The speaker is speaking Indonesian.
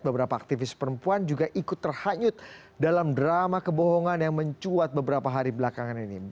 beberapa aktivis perempuan juga ikut terhanyut dalam drama kebohongan yang mencuat beberapa hari belakangan ini